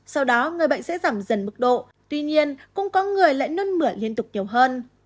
sau đó người bệnh sẽ giảm dần mức độ tuy nhiên cũng có người lại nươn mửa liên tục nhiều hơn